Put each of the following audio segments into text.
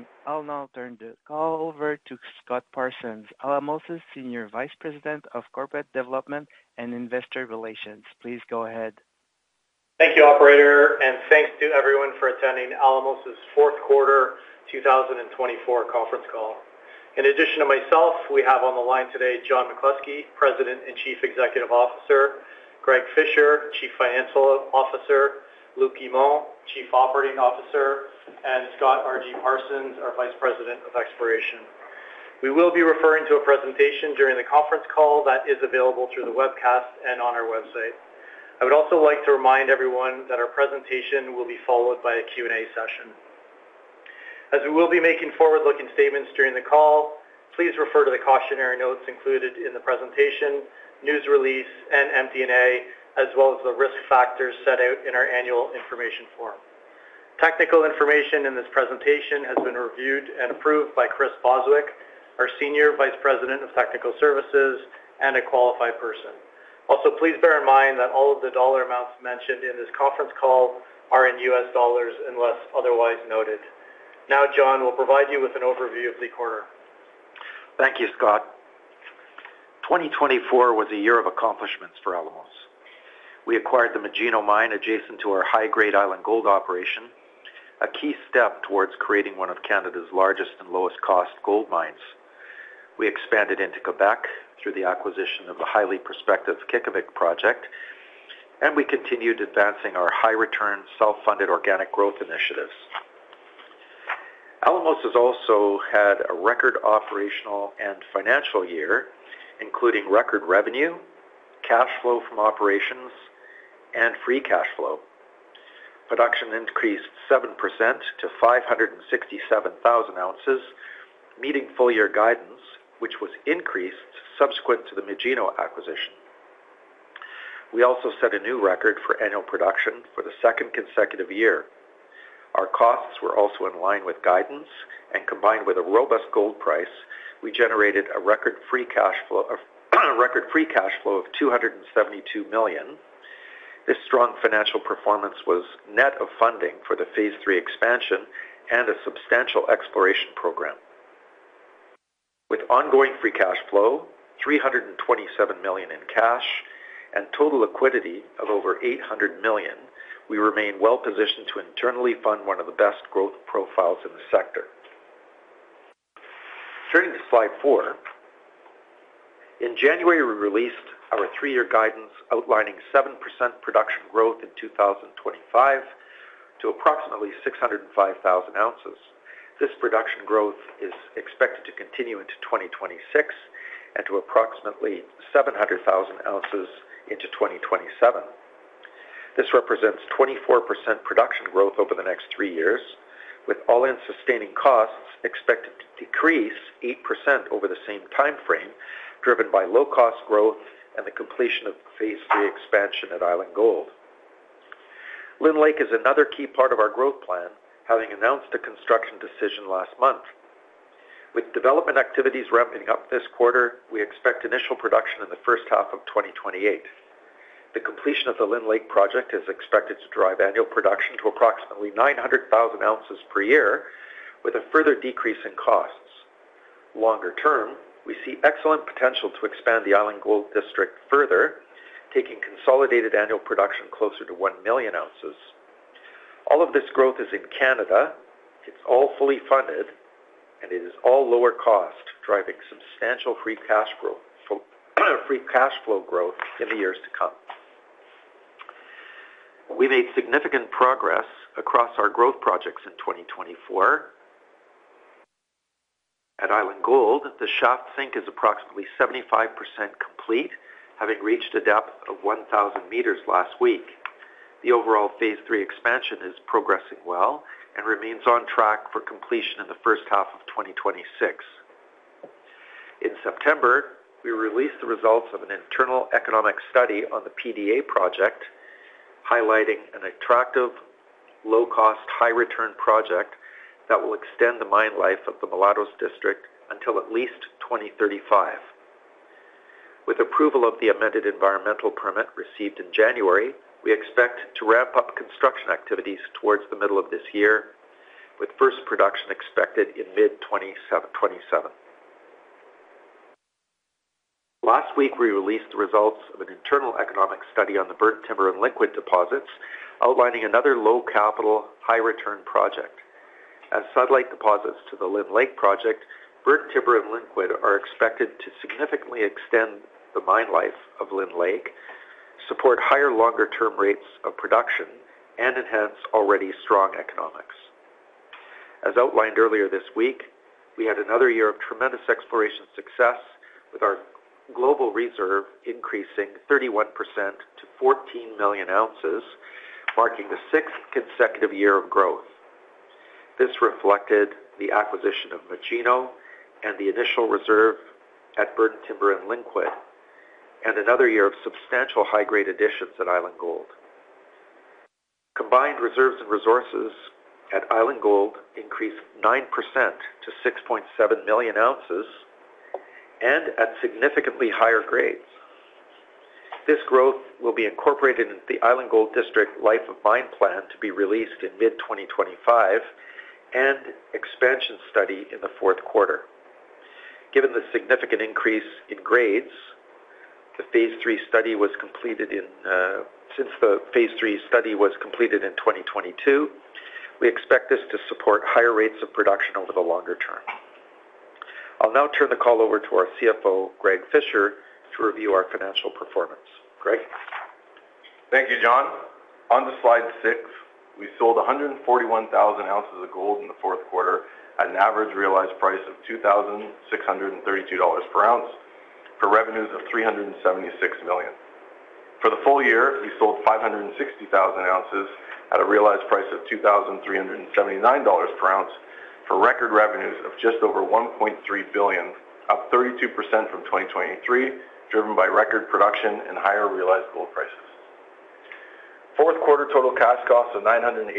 Good morning. I'll now turn this call over to Scott Parsons, Alamos' Senior Vice President of Corporate Development and Investor Relations. Please go ahead. Thank you, Operator, and thanks to everyone for attending Alamos' Fourth Quarter 2024 conference call. In addition to myself, we have on the line today John McCluskey, President and Chief Executive Officer, Greg Fisher, Chief Financial Officer, Luc Guimond, Chief Operating Officer, and Scott R.G. Parsons, our Vice President of Exploration. We will be referring to a presentation during the conference call that is available through the webcast and on our website. I would also like to remind everyone that our presentation will be followed by a Q&A session. As we will be making forward-looking statements during the call, please refer to the cautionary notes included in the presentation, news release, and MD&A, as well as the risk factors set out in our annual information form. Technical information in this presentation has been reviewed and approved by Chris Bostwick, our Senior Vice President of Technical Services, and a qualified person. Also, please bear in mind that all of the dollar amounts mentioned in this conference call are in U.S. dollars unless otherwise noted. Now, John, we'll provide you with an overview of the quarter. Thank you, Scott. 2024 was a year of accomplishments for Alamos. We acquired the Magino Mine adjacent to our high-grade Island Gold operation, a key step towards creating one of Canada's largest and lowest-cost gold mines. We expanded into Quebec through the acquisition of the highly prospective Qiqavik project, and we continued advancing our high-return, self-funded organic growth initiatives. Alamos has also had a record operational and financial year, including record revenue, cash flow from operations, and free cash flow. Production increased 7% to 567,000 ounces, meeting full-year guidance, which was increased subsequent to the Magino acquisition. We also set a new record for annual production for the second consecutive year. Our costs were also in line with guidance, and combined with a robust gold price, we generated a record free cash flow of $272 million. This strong financial performance was net of funding for the Phase 3 expansion and a substantial exploration program. With ongoing free cash flow, $327 million in cash, and total liquidity of over $800 million, we remain well-positioned to internally fund one of the best growth profiles in the sector. Turning to Slide 4, in January, we released our three-year guidance outlining 7% production growth in 2025 to approximately 605,000 ounces. This production growth is expected to continue into 2026 and to approximately 700,000 ounces into 2027. This represents 24% production growth over the next three years, with all-in sustaining costs expected to decrease 8% over the same timeframe, driven by low-cost growth and the completion of Phase 3 expansion at Island Gold. Lynn Lake is another key part of our growth plan, having announced a construction decision last month. With development activities ramping up this quarter, we expect initial production in the first half of 2028. The completion of the Lynn Lake project is expected to drive annual production to approximately 900,000 ounces per year, with a further decrease in costs. Longer term, we see excellent potential to expand the Island Gold District further, taking consolidated annual production closer to 1 million ounces. All of this growth is in Canada. It's all fully funded, and it is all lower cost, driving substantial free cash flow growth in the years to come. We made significant progress across our growth projects in 2024. At Island Gold, the shaft sink is approximately 75% complete, having reached a depth of 1,000 meters last week. The overall Phase 3 expansion is progressing well and remains on track for completion in the first half of 2026. In September, we released the results of an internal economic study on the PDA project, highlighting an attractive, low-cost, high-return project that will extend the mine life of the Mulatos District until at least 2035. With approval of the amended environmental permit received in January, we expect to ramp up construction activities towards the middle of this year, with first production expected in mid-2027. Last week, we released the results of an internal economic study on the Burnt Timber and Linkwood Deposits, outlining another low-capital, high-return project. As satellite deposits to the Lynn Lake project, Burnt Timber and Linkwood are expected to significantly extend the mine life of Lynn Lake, support higher longer-term rates of production, and enhance already strong economics. As outlined earlier this week, we had another year of tremendous exploration success, with our global reserve increasing 31% to 14 million ounces, marking the sixth consecutive year of growth. This reflected the acquisition of Magino and the initial reserve at Burnt Timber and Linkwood, and another year of substantial high-grade additions at Island Gold. Combined reserves and resources at Island Gold increased 9% to 6.7 million ounces and at significantly higher grades. This growth will be incorporated into the Island Gold District Life of Mine Plan to be released in mid-2025 and expansion study in the fourth quarter. Given the significant increase in grades, the Phase 3 study was completed in 2022. We expect this to support higher rates of production over the longer term. I'll now turn the call over to our CFO, Greg Fisher, to review our financial performance. Greg? Thank you, John. On to Slide 6. We sold 141,000 ounces of gold in the fourth quarter at an average realized price of $2,632 per ounce for revenues of $376 million. For the full year, we sold 560,000 ounces at a realized price of $2,379 per ounce for record revenues of just over $1.3 billion, up 32% from 2023, driven by record production and higher realized gold prices. Fourth quarter total cash costs of $981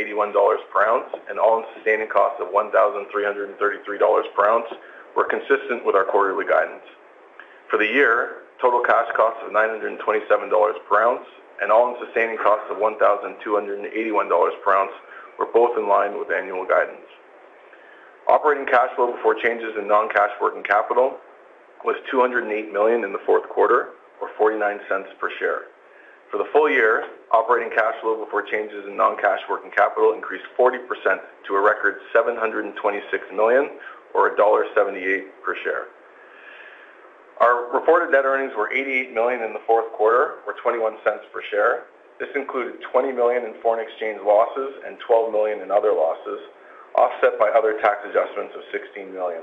per ounce and all in sustaining costs of $1,333 per ounce were consistent with our quarterly guidance. For the year, total cash costs of $927 per ounce and all in sustaining costs of $1,281 per ounce were both in line with annual guidance. Operating cash flow before changes in non-cash working capital was $208 million in the fourth quarter, or $0.49 per share. For the full year, operating cash flow before changes in non-cash working capital increased 40% to a record $726 million, or $1.78 per share. Our reported net earnings were $88 million in the fourth quarter, or $0.21 per share. This included $20 million in foreign exchange losses and $12 million in other losses, offset by other tax adjustments of $16 million.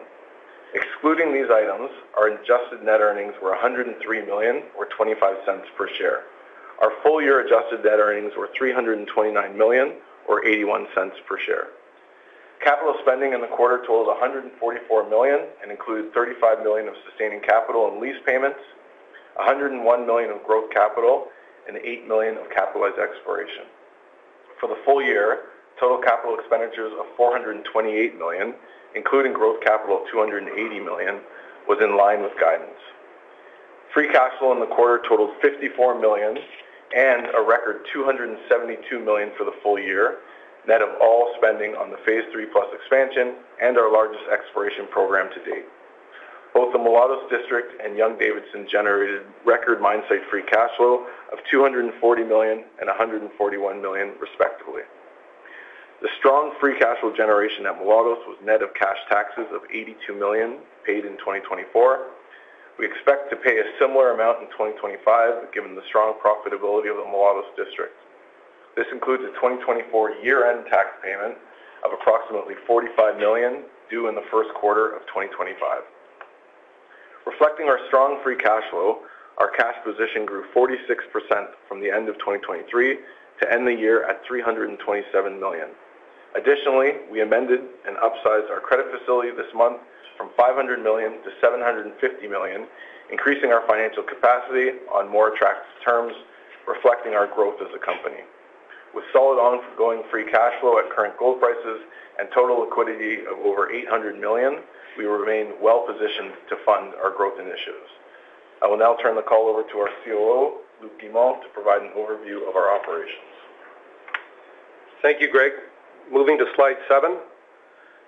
Excluding these items, our adjusted net earnings were $103 million, or $0.25 per share. Our full-year adjusted net earnings were $329 million, or $0.81 per share. Capital spending in the quarter totaled $144 million and included $35 million of sustaining capital and lease payments, $101 million of growth capital, and eight million of capitalized exploration. For the full year, total capital expenditures of $428 million, including growth capital of $280 million, was in line with guidance. Free cash flow in the quarter totaled $54 million and a record $272 million for the full year, net of all spending on the Phase 3+ expansion and our largest exploration program to date. Both the Mulatos District and Young-Davidson generated record mine site free cash flow of $240 million and $141 million, respectively. The strong free cash flow generation at Mulatos was net of cash taxes of $82 million paid in 2024. We expect to pay a similar amount in 2025, given the strong profitability of the Mulatos District. This includes a 2024 year-end tax payment of approximately $45 million due in the first quarter of 2025. Reflecting our strong free cash flow, our cash position grew 46% from the end of 2023 to end the year at $327 million. Additionally, we amended and upsized our credit facility this month from $500 million to $750 million, increasing our financial capacity on more attractive terms, reflecting our growth as a company. With solid ongoing free cash flow at current gold prices and total liquidity of over $800 million, we remain well-positioned to fund our growth initiatives. I will now turn the call over to our COO, Luc Guimond, to provide an overview of our operations. Thank you, Greg. Moving to Slide 7.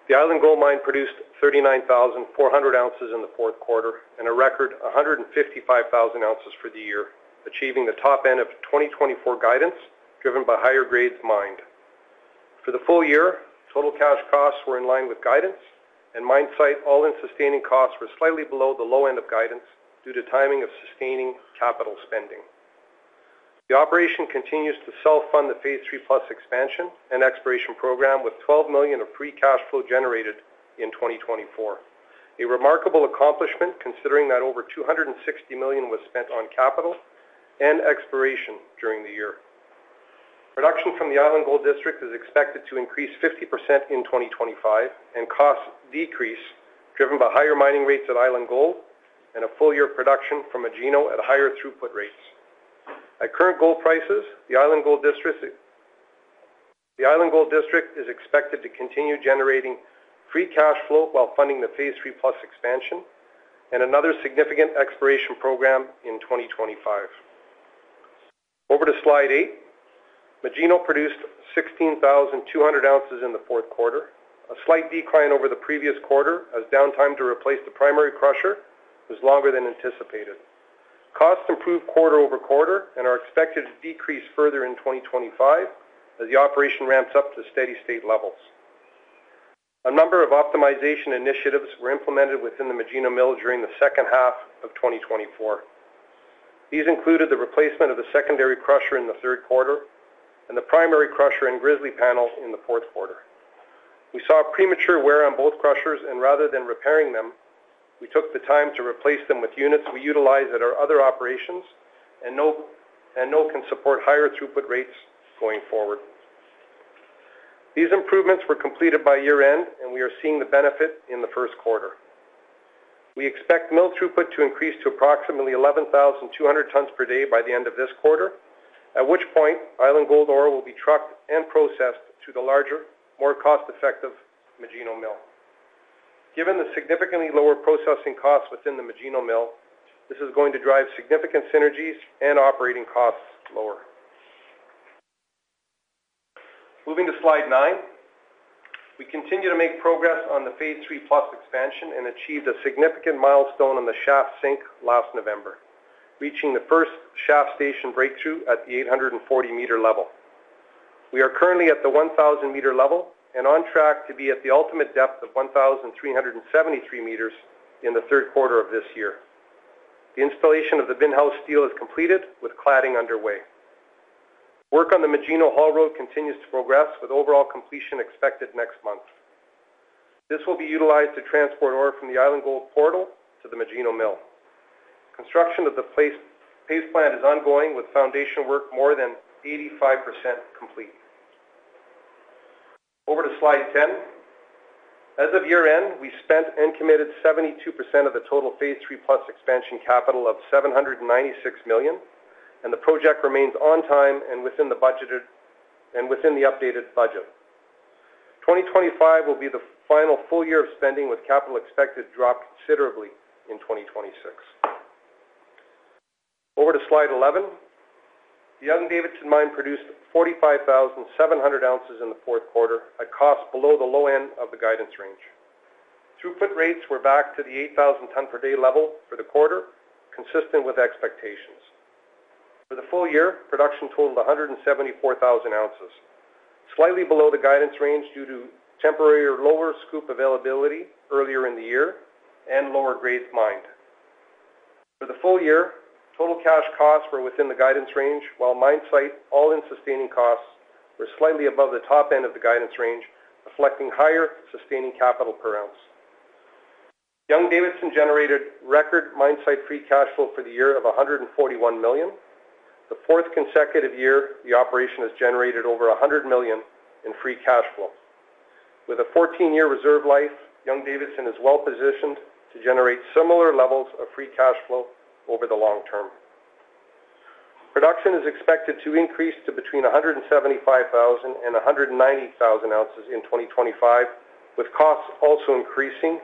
The Island Gold Mine produced 39,400 ounces in the fourth quarter and a record 155,000 ounces for the year, achieving the top end of 2024 guidance, driven by higher grades mined. For the full year, total cash costs were in line with guidance, and mine site all-in sustaining costs were slightly below the low end of guidance due to timing of sustaining capital spending. The operation continues to self-fund the Phase 3+ expansion and exploration program with $12 million of free cash flow generated in 2024, a remarkable accomplishment considering that over $260 million was spent on capital and exploration during the year. Production from the Island Gold District is expected to increase 50% in 2025 and costs decrease, driven by higher mining rates at Island Gold and a full-year production from Magino at higher throughput rates. At current gold prices, the Island Gold District is expected to continue generating free cash flow while funding the Phase 3+ expansion and another significant exploration program in 2025. Over to Slide 8. Magino produced 16,200 ounces in the fourth quarter, a slight decline over the previous quarter as downtime to replace the primary crusher was longer than anticipated. Costs improve quarter over quarter and are expected to decrease further in 2025 as the operation ramps up to steady-state levels. A number of optimization initiatives were implemented within the Magino mill during the second half of 2024. These included the replacement of the secondary crusher in the third quarter and the primary crusher and grizzly panel in the fourth quarter. We saw premature wear on both crushers, and rather than repairing them, we took the time to replace them with units we utilize at our other operations and know can support higher throughput rates going forward. These improvements were completed by year-end, and we are seeing the benefit in the first quarter. We expect mill throughput to increase to approximately 11,200 tons per day by the end of this quarter, at which point Island Gold ore will be trucked and processed to the larger, more cost-effective Magino mill. Given the significantly lower processing costs within the Magino mill, this is going to drive significant synergies and operating costs lower. Moving to Slide 9. We continue to make progress on the Phase 3+ expansion and achieved a significant milestone on the shaft sinking last November, reaching the first shaft station breakthrough at the 840-meter level. We are currently at the 1,000-meter level and on track to be at the ultimate depth of 1,373 meters in the third quarter of this year. The installation of the bin house steel is completed, with cladding underway. Work on the Magino haul road continues to progress, with overall completion expected next month. This will be utilized to transport ore from the Island Gold portal to the Magino mill. Construction of the paste plant is ongoing, with foundation work more than 85% complete. Over to Slide 10. As of year-end, we spent and committed 72% of the total Phase 3+ expansion capital of $796 million, and the project remains on time and within the updated budget. 2025 will be the final full year of spending, with capital expected to drop considerably in 2026. Over to Slide 11. The Young-Davidson Mine produced 45,700 ounces in the fourth quarter, at costs below the low end of the guidance range. Throughput rates were back to the 8,000 ton per day level for the quarter, consistent with expectations. For the full year, production totaled 174,000 ounces, slightly below the guidance range due to temporary or lower scoop availability earlier in the year and lower grade mined. For the full year, total cash costs were within the guidance range, while mine-site all-in sustaining costs were slightly above the top end of the guidance range, reflecting higher sustaining capital per ounce. Young-Davidson generated record mine-site free cash flow for the year of $141 million. The fourth consecutive year, the operation has generated over $100 million in free cash flow. With a 14-year reserve life, Young-Davidson is well-positioned to generate similar levels of free cash flow over the long term. Production is expected to increase to between 175,000 and 190,000 ounces in 2025, with costs also increasing,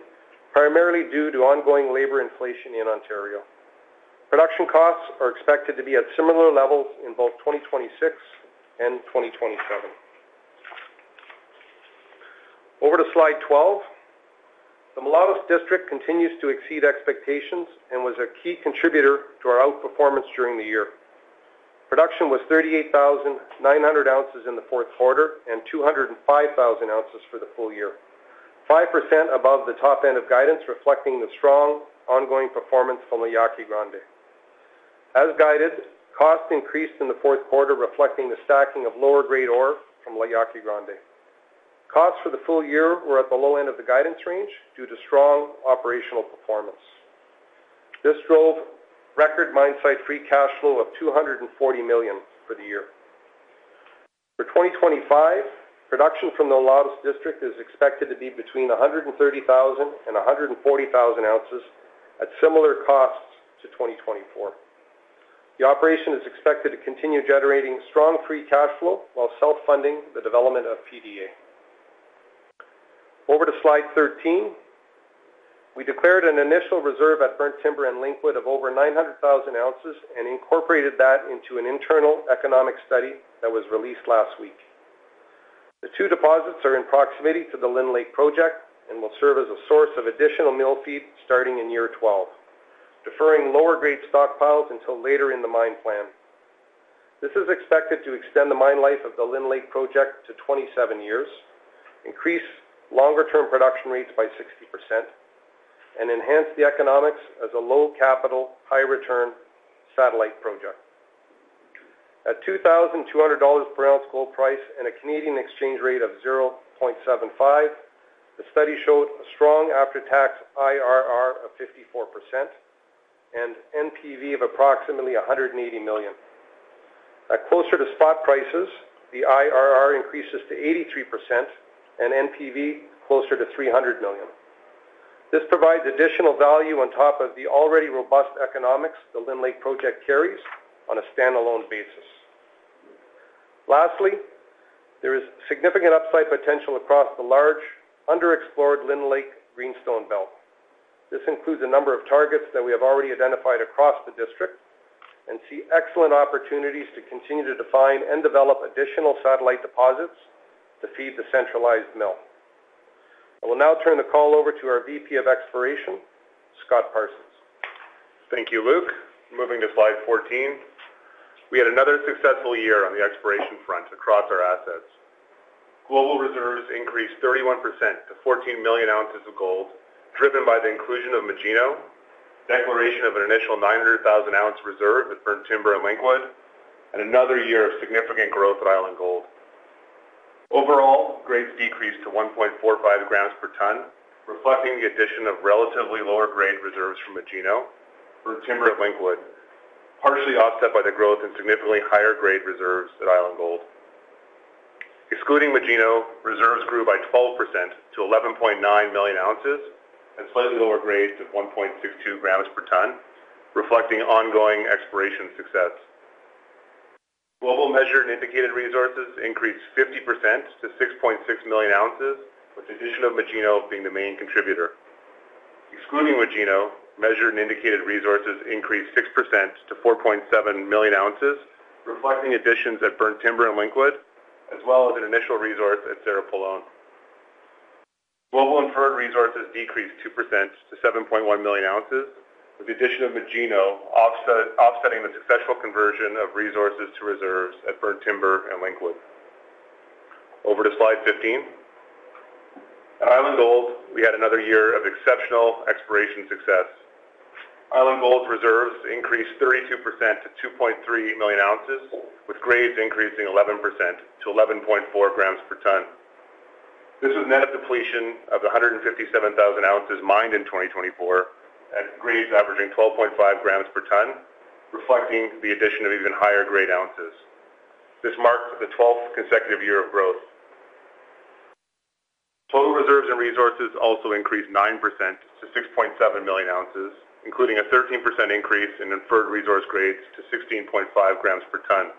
primarily due to ongoing labor inflation in Ontario. Production costs are expected to be at similar levels in both 2026 and 2027. Over to Slide 12. The Mulatos District continues to exceed expectations and was a key contributor to our outperformance during the year. Production was 38,900 ounces in the fourth quarter and 205,000 ounces for the full year, 5% above the top end of guidance, reflecting the strong ongoing performance from La Yaqui Grande. As guided, costs increased in the fourth quarter, reflecting the stacking of lower grade ore from La Yaqui Grande. Costs for the full year were at the low end of the guidance range due to strong operational performance. This drove record mine site free cash flow of $240 million for the year. For 2025, production from the Mulatos District is expected to be between 130,000 and 140,000 ounces at similar costs to 2024. The operation is expected to continue generating strong free cash flow while self-funding the development of PDA. Over to Slide 13. We declared an initial reserve at Burnt Timber and Linkwood of over 900,000 ounces and incorporated that into an internal economic study that was released last week. The two deposits are in proximity to the Lynn Lake project and will serve as a source of additional mill feed starting in year 12, deferring lower grade stockpiles until later in the mine plan. This is expected to extend the mine life of the Lynn Lake project to 27 years, increase longer-term production rates by 60%, and enhance the economics as a low-capital, high-return satellite project. At $2,200 per ounce gold price and a Canadian exchange rate of 0.75, the study showed a strong after-tax IRR of 54% and NPV of approximately $180 million. At closer to spot prices, the IRR increases to 83% and NPV closer to $300 million. This provides additional value on top of the already robust economics the Lynn Lake project carries on a standalone basis. Lastly, there is significant upside potential across the large, underexplored Lynn Lake Greenstone Belt. This includes a number of targets that we have already identified across the district and see excellent opportunities to continue to define and develop additional satellite deposits to feed the centralized mill. I will now turn the call over to our VP of Exploration, Scott Parsons. Thank you, Luc. Moving to Slide 14. We had another successful year on the exploration front across our assets. Global reserves increased 31% to 14 million ounces of gold, driven by the inclusion of Magino, declaration of an initial 900,000-ounce reserve at Burnt Timber and Linkwood, and another year of significant growth at Island Gold. Overall, grades decreased to 1.45 grams per ton, reflecting the addition of relatively lower grade reserves from Magino, Burnt Timber, and Linkwood, partially offset by the growth in significantly higher grade reserves at Island Gold. Excluding Magino, reserves grew by 12% to 11.9 million ounces and slightly lower grades to 1.62 grams per ton, reflecting ongoing exploration success. Global measured and indicated resources increased 50% to 6.6 million ounces, with the addition of Magino being the main contributor. Excluding Magino, measured and indicated resources increased 6% to 4.7 million ounces, reflecting additions at Burnt Timber and Linkwood, as well as an initial resource at Cerro Pelon. Global inferred resources decreased 2% to 7.1 million ounces, with the addition of Magino offsetting the successful conversion of resources to reserves at Burnt Timber and Linkwood. Over to Slide 15. At Island Gold, we had another year of exceptional exploration success. Island Gold's reserves increased 32% to 2.3 million ounces, with grades increasing 11% to 11.4 grams per ton. This was net of depletion of the 157,000 ounces mined in 2024 at grades averaging 12.5 grams per ton, reflecting the addition of even higher grade ounces. This marked the 12th consecutive year of growth. Total reserves and resources also increased 9% to 6.7 million ounces, including a 13% increase in inferred resource grades to 16.5 grams per ton.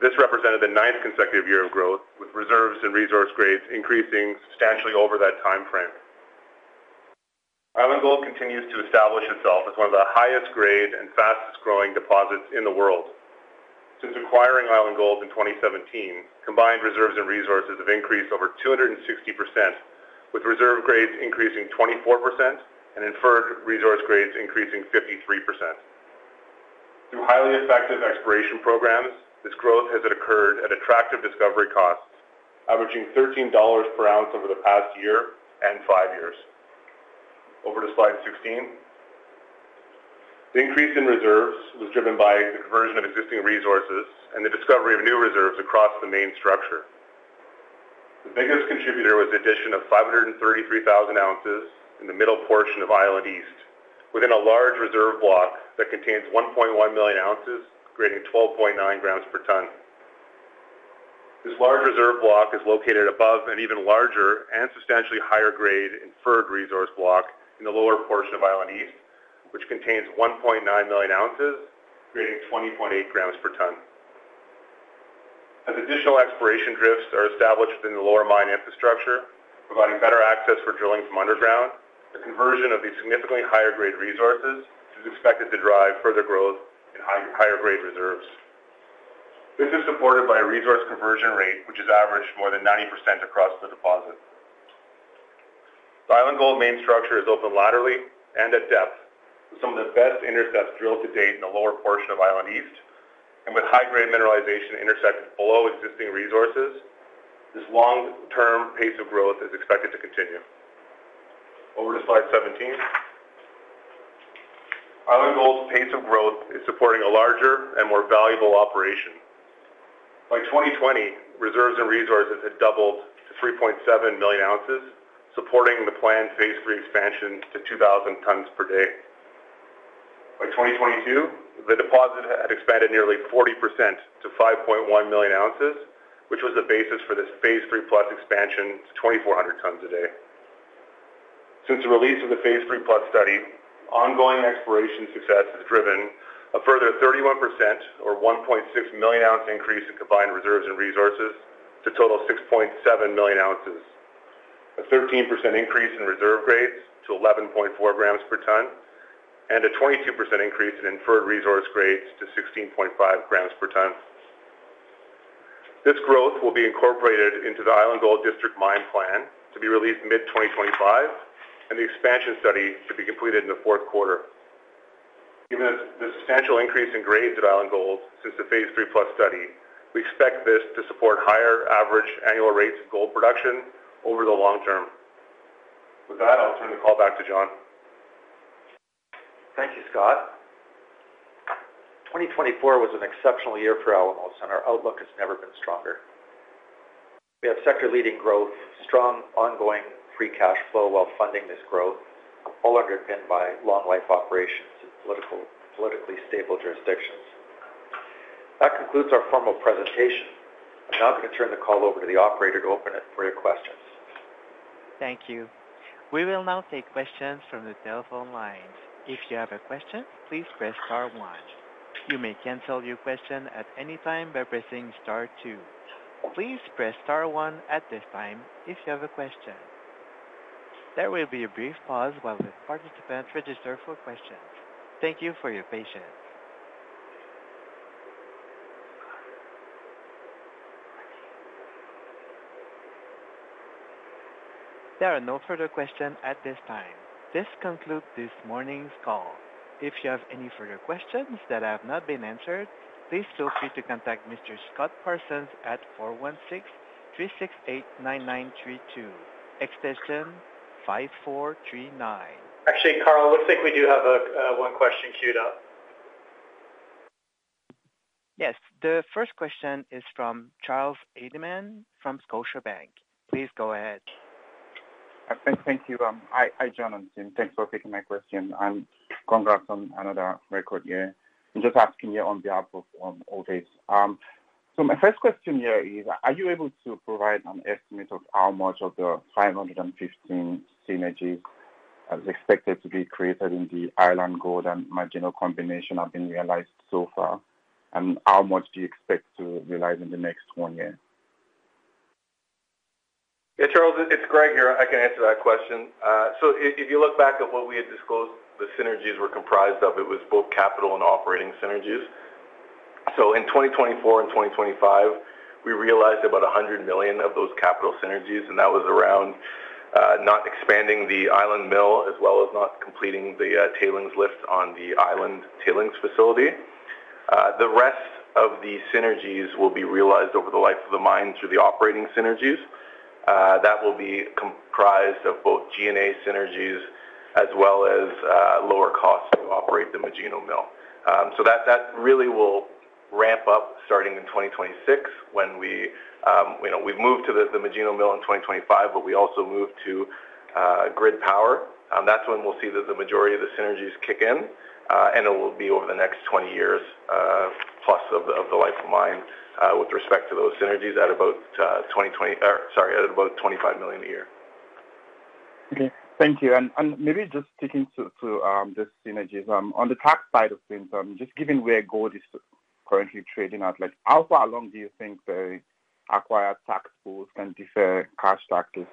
This represented the ninth consecutive year of growth, with reserves and resource grades increasing substantially over that time frame. Island Gold continues to establish itself as one of the highest-grade and fastest-growing deposits in the world. Since acquiring Island Gold in 2017, combined reserves and resources have increased over 260%, with reserve grades increasing 24% and inferred resource grades increasing 53%. Through highly effective exploration programs, this growth has occurred at attractive discovery costs, averaging $13 per ounce over the past year and five years. Over to Slide 16. The increase in reserves was driven by the conversion of existing resources and the discovery of new reserves across the main structure. The biggest contributor was the addition of 533,000 ounces in the middle portion of Island East, within a large reserve block that contains 1.1 million ounces, grading 12.9 grams per ton. This large reserve block is located above an even larger and substantially higher-grade inferred resource block in the lower portion of Island East, which contains 1.9 million ounces, grading 20.8 grams per ton. As additional exploration drifts are established within the lower mine infrastructure, providing better access for drilling from underground, the conversion of these significantly higher-grade resources is expected to drive further growth in higher-grade reserves. This is supported by a resource conversion rate, which has averaged more than 90% across the deposit. The Island Gold main structure is open laterally and at depth, with some of the best intercepts drilled to date in the lower portion of Island East, and with high-grade mineralization intersecting below existing resources. This long-term pace of growth is expected to continue. Over to Slide 17. Island Gold's pace of growth is supporting a larger and more valuable operation. By 2020, reserves and resources had doubled to 3.7 million ounces, supporting the planned Phase 3 expansion to 2,000 tons per day. By 2022, the deposit had expanded nearly 40% to 5.1 million ounces, which was the basis for this Phase 3 Plus expansion to 2,400 tons a day. Since the release of the Phase 3 Plus study, ongoing exploration success has driven a further 31% or 1.6 million ounce increase in combined reserves and resources to a total of 6.7 million ounces, a 13% increase in reserve grades to 11.4 grams per ton, and a 22% increase in inferred resource grades to 16.5 grams per ton. This growth will be incorporated into the Island Gold District mine plan to be released mid-2025, and the expansion study to be completed in the fourth quarter. Given the substantial increase in grades at Island Gold since the Phase 3 Plus study, we expect this to support higher average annual rates of gold production over the long term. With that, I'll turn the call back to John. Thank you, Scott. 2024 was an exceptional year for Alamos, and our outlook has never been stronger. We have sector-leading growth, strong ongoing free cash flow while funding this growth, all underpinned by long-life operations and politically stable jurisdictions. That concludes our formal presentation. I'm now going to turn the call over to the operator to open it for your questions. Thank you. We will now take questions from the telephone lines. If you have a question, please press Star 1. You may cancel your question at any time by pressing Star 2. Please press Star 1 at this time if you have a question. There will be a brief pause while the participants register for questions. Thank you for your patience. There are no further questions at this time. This concludes this morning's call. If you have any further questions that have not been answered, please feel free to contact Mr. Scott Parsons at 416-368-9932, extension 5439. Actually, Carl, it looks like we do have one question queued up. Yes. The first question is from Charles Mamano from Scotiabank. Please go ahead. Thank you. Hi, John. Thanks for taking my question. Congrats on another record year. I'm just asking you on behalf of all these. So my first question here is, are you able to provide an estimate of how much of the $15 synergies are expected to be created in the Island Gold and Magino combination have been realized so far, and how much do you expect to realize in the next one year? Yeah, Charles, it's Greg here. I can answer that question. So if you look back at what we had disclosed, the synergies were comprised of. It was both capital and operating synergies. So in 2024 and 2025, we realized about $100 million of those capital synergies, and that was around not expanding the Island Mill as well as not completing the tailings lift on the Island Tailings facility. The rest of the synergies will be realized over the life of the mine through the operating synergies. That will be comprised of both G&A synergies as well as lower costs to operate the Magino Mill. So that really will ramp up starting in 2026 when we've moved to the Magino Mill in 2025, but we also moved to grid power. That's when we'll see that the majority of the synergies kick in, and it will be over the next 20 years plus of the life of mine with respect to those synergies at about 20 or, sorry, at about $25 million a year. Okay. Thank you. Maybe just sticking to the synergies, on the tax side of things, just given where gold is currently trading at, how far along do you think the acquired tax pools can defer cash taxes?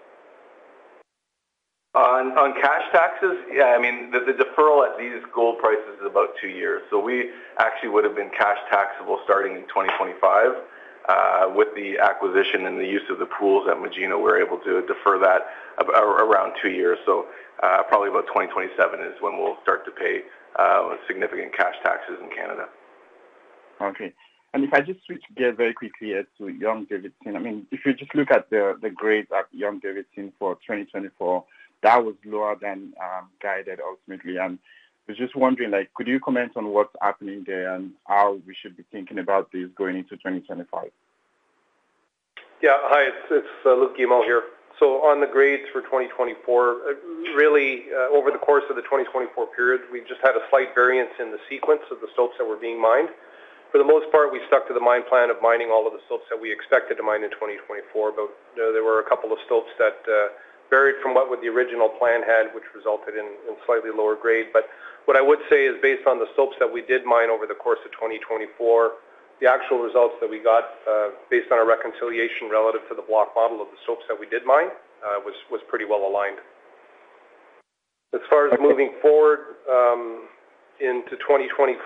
On cash taxes, yeah, I mean, the deferral at these gold prices is about two years. So we actually would have been cash taxable starting in 2025. With the acquisition and the use of the pools at Magino, we're able to defer that around two years. So probably about 2027 is when we'll start to pay significant cash taxes in Canada. Okay. If I just switch gears very quickly to Young-Davidson, I mean, if you just look at the grades at Young-Davidson for 2024, that was lower than guided, ultimately. And I was just wondering, could you comment on what's happening there and how we should be thinking about this going into 2025? Yeah. Hi, it's Luc Guimond here. So on the grades for 2024, really, over the course of the 2024 period, we just had a slight variance in the sequence of the stopes that were being mined. For the most part, we stuck to the mine plan of mining all of the stopes that we expected to mine in 2024. But there were a couple of stopes that varied from what the original plan had, which resulted in slightly lower grade. But what I would say is, based on the stopes that we did mine over the course of 2024, the actual results that we got based on our reconciliation relative to the block model of the stopes that we did mine was pretty well aligned. As far as moving forward into 2025,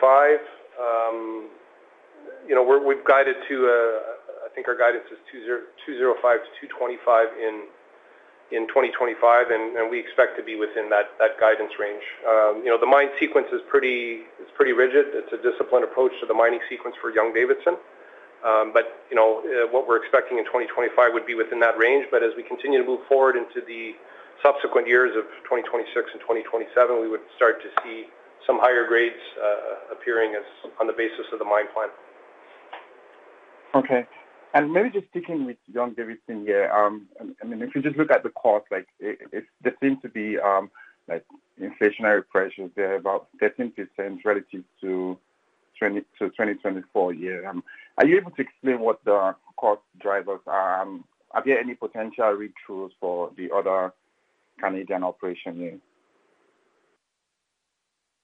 we've guided to, I think our guidance is 205-225 in 2025, and we expect to be within that guidance range. The mine sequence is pretty rigid. It's a disciplined approach to the mining sequence for Young Davidson. But what we're expecting in 2025 would be within that range. But as we continue to move forward into the subsequent years of 2026 and 2027, we would start to see some higher grades appearing on the basis of the mine plan. Okay. And maybe just sticking with Young Davidson here, I mean, if you just look at the cost, there seem to be inflationary pressures there about 13% relative to 2024 year. Are you able to explain what the cost drivers are? Have you had any potential retools for the other Canadian operation here?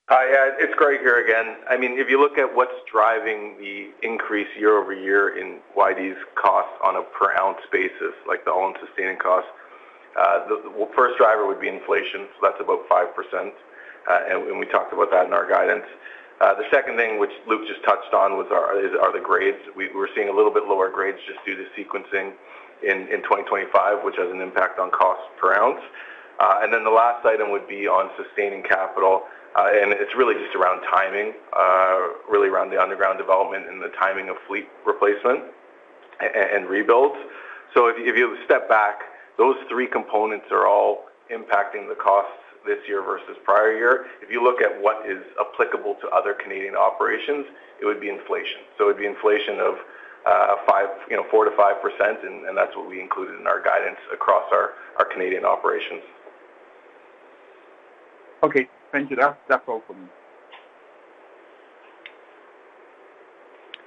Hi. Yeah, it's Greg here again. I mean, if you look at what's driving the increase year over year in why these costs on a per-ounce basis, like the all-in sustaining cost, the first driver would be inflation, so that's about 5%. And we talked about that in our guidance. The second thing, which Luc just touched on, are the grades. We were seeing a little bit lower grades just due to sequencing in 2025, which has an impact on cost per ounce. And then the last item would be on sustaining capital, and it's really just around timing, really around the underground development and the timing of fleet replacement and rebuilds. So if you step back, those three components are all impacting the costs this year versus prior year. If you look at what is applicable to other Canadian operations, it would be inflation. So it would be inflation of 4%-5%, and that's what we included in our guidance across our Canadian operations. Okay. Thank you. That's all for me.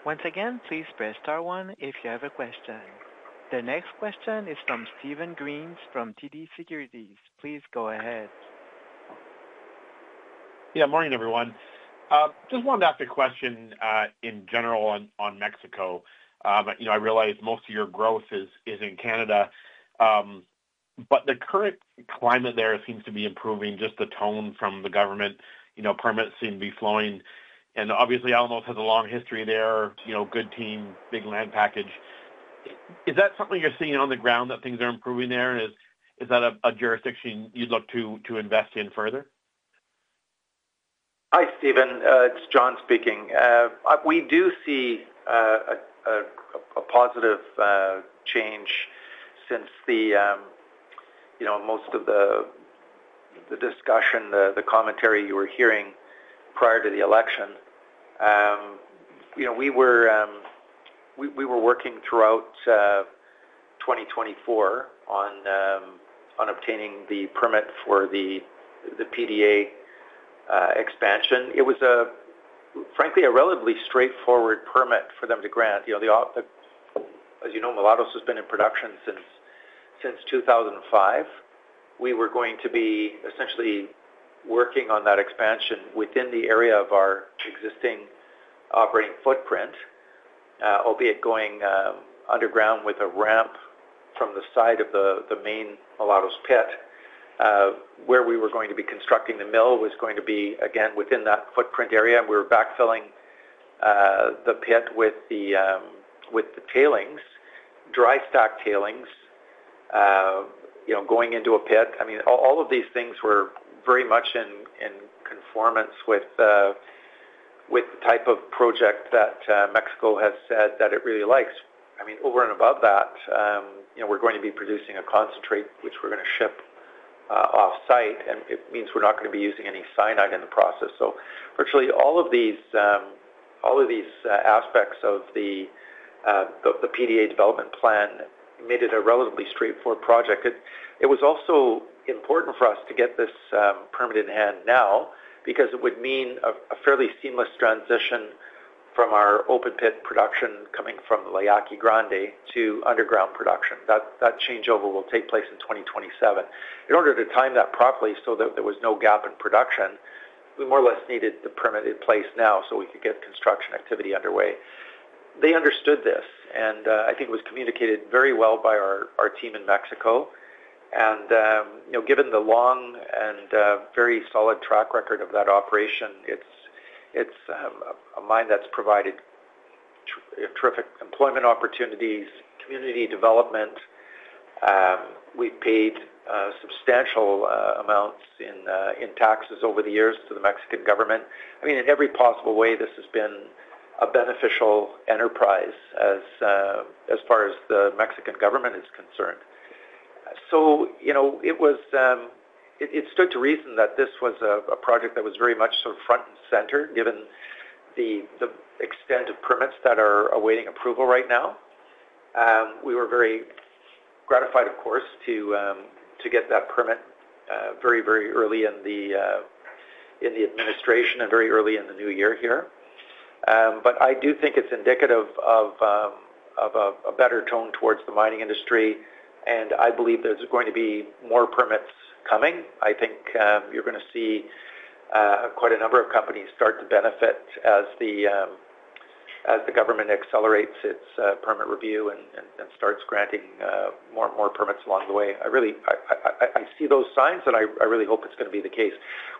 Once again, please press Star 1 if you have a question. The next question is from Steven Green from TD Securities. Please go ahead. Yeah. Morning, everyone. Just wanted to ask a question in general on Mexico. I realize most of your growth is in Canada, but the current climate there seems to be improving, just the tone from the government. Permits seem to be flowing. And obviously, Alamos has a long history there, good team, big land package. Is that something you're seeing on the ground that things are improving there? Is that a jurisdiction you'd look to invest in further? Hi, Steven. It's John speaking. We do see a positive change since most of the discussion, the commentary you were hearing prior to the election. We were working throughout 2024 on obtaining the permit for the PDA expansion. It was, frankly, a relatively straightforward permit for them to grant. As you know, Mulatos has been in production since 2005. We were going to be essentially working on that expansion within the area of our existing operating footprint, albeit going underground with a ramp from the side of the main Mulatos pit. Where we were going to be constructing the mill was going to be, again, within that footprint area. And we were backfilling the pit with the tailings, dry stacked tailings, going into a pit. I mean, all of these things were very much in conformance with the type of project that Mexico has said that it really likes. I mean, over and above that, we're going to be producing a concentrate, which we're going to ship off-site. And it means we're not going to be using any cyanide in the process. So virtually all of these aspects of the PDA development plan made it a relatively straightforward project. It was also important for us to get this permit in hand now because it would mean a fairly seamless transition from our open-pit production coming from the La Yaqui Grande to underground production. That changeover will take place in 2027. In order to time that properly so that there was no gap in production, we more or less needed the permit in place now so we could get construction activity underway. They understood this, and I think it was communicated very well by our team in Mexico. Given the long and very solid track record of that operation, it's a mine that's provided terrific employment opportunities and community development. We've paid substantial amounts in taxes over the years to the Mexican government. I mean, in every possible way, this has been a beneficial enterprise as far as the Mexican government is concerned. It stood to reason that this was a project that was very much sort of front and center, given the extent of permits that are awaiting approval right now. We were very gratified, of course, to get that permit very, very early in the administration and very early in the new year here. I do think it's indicative of a better tone towards the mining industry. I believe there's going to be more permits coming. I think you're going to see quite a number of companies start to benefit as the government accelerates its permit review and starts granting more permits along the way. I see those signs, and I really hope it's going to be the case.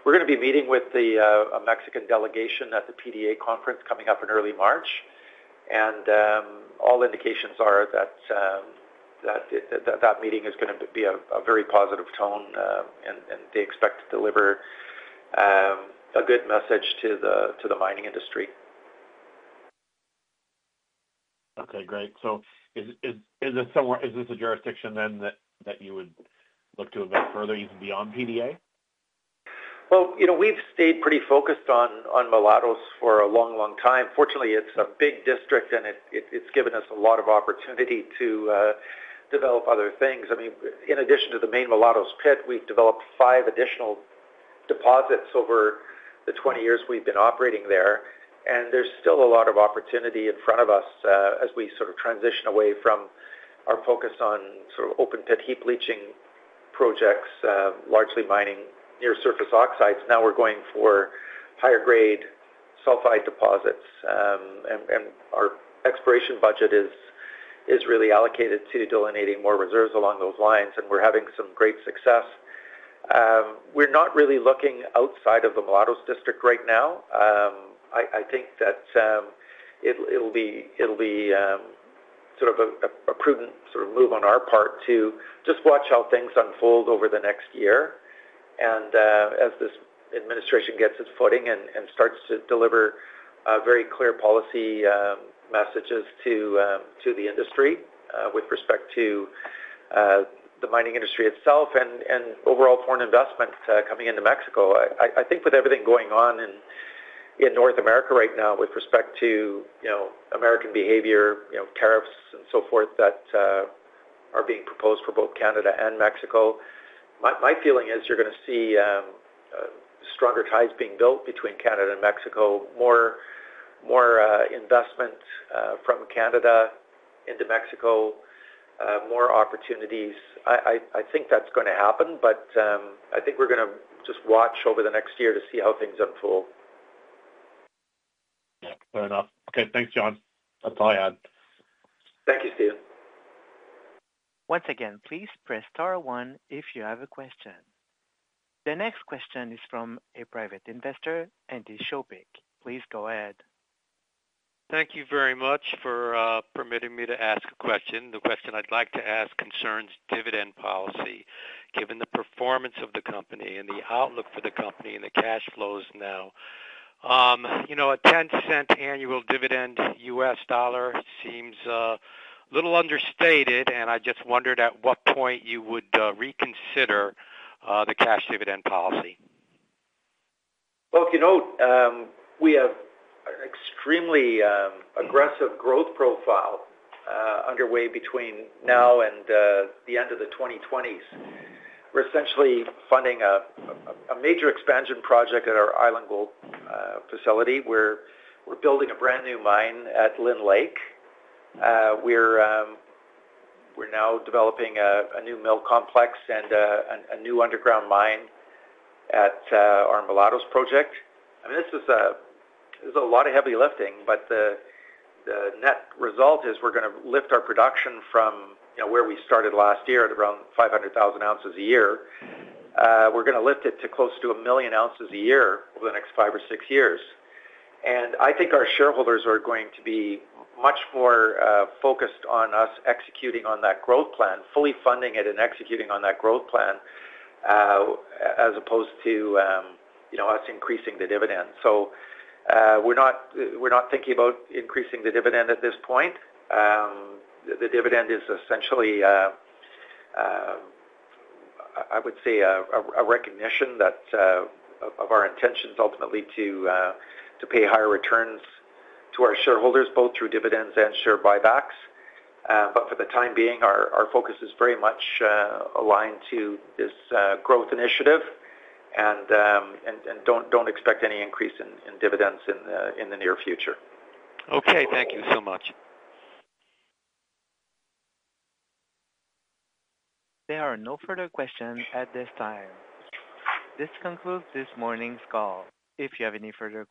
We're going to be meeting with the Mexican delegation at the PDAC conference coming up in early March, and all indications are that that meeting is going to be a very positive tone, and they expect to deliver a good message to the mining industry. Okay. Great. So is this a jurisdiction then that you would look to invest further even beyond PDA? Well, we've stayed pretty focused on Mulatos for a long, long time. Fortunately, it's a big district, and it's given us a lot of opportunity to develop other things. I mean, in addition to the main Mulatos pit, we've developed five additional deposits over the 20 years we've been operating there, and there's still a lot of opportunity in front of us as we sort of transition away from our focus on sort of open-pit heap leaching projects, largely mining near-surface oxides. Now we're going for higher-grade sulfide deposits, and our exploration budget is really allocated to delineating more reserves along those lines, and we're having some great success. We're not really looking outside of the Mulatos District right now. I think that it'll be sort of a prudent sort of move on our part to just watch how things unfold over the next year. As this administration gets its footing and starts to deliver very clear policy messages to the industry with respect to the mining industry itself and overall foreign investment coming into Mexico, I think with everything going on in North America right now with respect to American behavior, tariffs, and so forth that are being proposed for both Canada and Mexico, my feeling is you're going to see stronger ties being built between Canada and Mexico, more investment from Canada into Mexico, more opportunities. I think that's going to happen, but I think we're going to just watch over the next year to see how things unfold. Fair enough. Okay. Thanks, John. That's all I had. Thank you, Steven. Once again, please press Star 1 if you have a question. The next question is from a private investor, Andy Schopick. Please go ahead. Thank you very much for permitting me to ask a question. The question I'd like to ask concerns dividend policy, given the performance of the company and the outlook for the company and the cash flows now. A $0.10 annual dividend in U.S. dollars seems a little understated, and I just wondered at what point you would reconsider the cash dividend policy. Well, if you note, we have an extremely aggressive growth profile underway between now and the end of the 2020s. We're essentially funding a major expansion project at our Island Gold facility. We're building a brand new mine at Lynn Lake. We're now developing a new mill complex and a new underground mine at our Mulatos project. I mean, this is a lot of heavy lifting, but the net result is we're going to lift our production from where we started last year at around 500,000 ounces a year. We're going to lift it to close to a million ounces a year over the next five or six years, and I think our shareholders are going to be much more focused on us executing on that growth plan, fully funding it and executing on that growth plan as opposed to us increasing the dividend, so we're not thinking about increasing the dividend at this point. The dividend is essentially, I would say, a recognition of our intentions ultimately to pay higher returns to our shareholders, both through dividends and share buybacks, but for the time being, our focus is very much aligned to this growth initiative and don't expect any increase in dividends in the near future. Okay. Thank you so much. There are no further questions at this time. This concludes this morning's call. If you have any further.